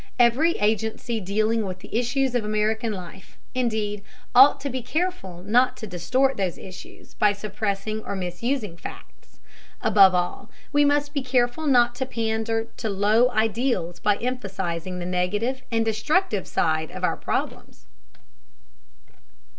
Every agency dealing with the issues of American life, indeed, ought to be careful not to distort those issues by suppressing or misusing facts. Above all, we must be careful not to pander to low ideals by emphasizing the negative and destructive side of our problems.